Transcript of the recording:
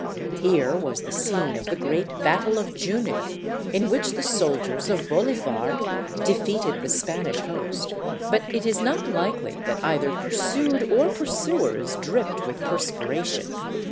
Here was the scene of the great battle of Junin in which the soldiers of Bolivar defeated the Spanish host ; but it is not likely that either pursued or pursuers dripped with perspiration.